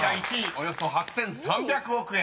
およそ８，３００億円です］